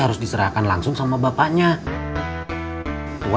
untuk mendapatkan informasi terbaru